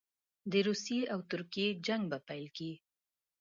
د روسیې او ترکیې جنګ په پیل کې.